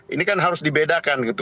ini kan harus dibedakan gitu